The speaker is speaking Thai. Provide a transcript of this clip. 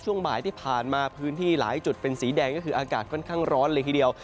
ช่วงบ่ายที่ผ่านมาพื้นที่หลายจุดเป็นสีแดงก็คืออากาศค่อนข้างร้อนเลยทีเดียว